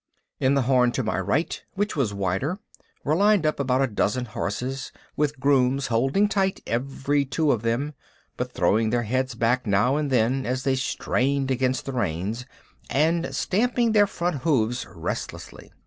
In the horn to my right, which was wider, were lined up about a dozen horses, with grooms holding tight every two of them, but throwing their heads back now and then as they strained against the reins, and stamping their front hooves restlessly.